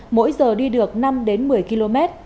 mỗi giờ đi được năm đến một mươi km